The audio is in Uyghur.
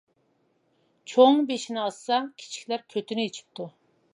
چوڭ بېشىنى ئاچسا، كىچىكلەر كۆتىنى ئېچىپتۇ.